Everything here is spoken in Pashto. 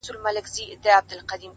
• ستا دی که قند دی.